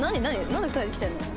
なんで２人で来てるの？